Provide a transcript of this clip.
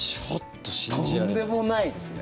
とんでもないですね。